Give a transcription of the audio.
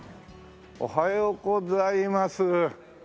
おはようございます。